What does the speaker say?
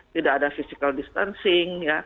tidak ada physical distancing